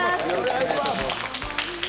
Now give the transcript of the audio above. お願いします